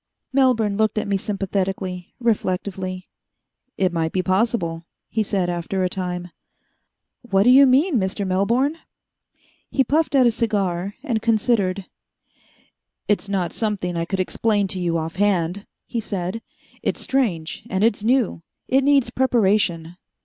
Melbourne looked at me sympathetically, reflectively. "It might be possible," he said after a time. "What do you mean, Mr. Melbourne?" He puffed at a cigar, and considered. "It's not something I could explain to you off hand," he said. "It's strange and it's new. It needs preparation."